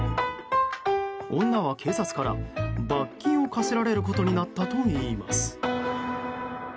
女は、警察から罰金を科せられることになったといいます。